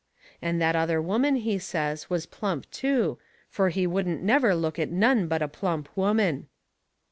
And that other woman, he says, was plump too, fur he wouldn't never look at none but a plump woman.